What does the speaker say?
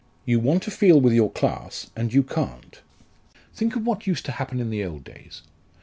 You want to feel with your class, and you can't. Think of what used to happen in the old days.